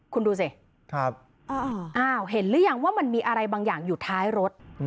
คุณดูสิอ้าวเห็นหรือยังว่ามันมีอะไรบางอย่างอยู่ท้ายรถ